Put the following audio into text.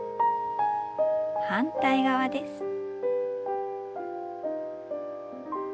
反対側です。